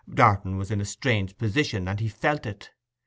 Darton was in a strange position, and he felt it.